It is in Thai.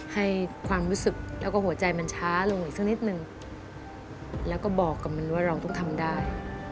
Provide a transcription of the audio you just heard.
ให้ความรู้สึกแล้วก็หัวใจมันช้าลงอีกสักนิดนึงแล้วก็บอกกับมันว่าเราต้องทำได้